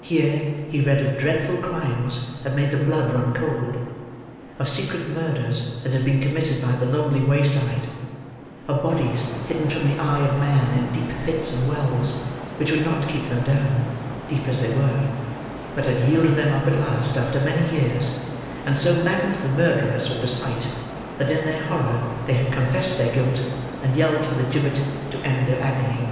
Here, he read of dreadful crimes that made the blood run cold; of secret murders that had been committed by the lonely wayside; of bodies hidden from the eye of man in deep pits and wells: which would not keep them down, deep as they were, but had yielded them up at last, after many years, and so maddened the murderers with the sight, that in their horror they had confessed their guilt, and yelled for the gibbet to end their agony.